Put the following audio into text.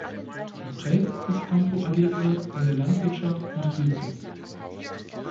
Geprägt ist Campo Alegre von der Landwirtschaft und Viehzucht.